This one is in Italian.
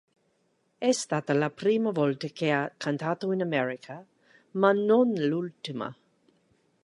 È stata la prima volta che ha cantato in America ma non l'ultima.